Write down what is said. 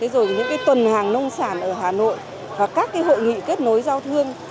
rồi những tuần hàng nông sản ở hà nội và các hội nghị kết nối giao thương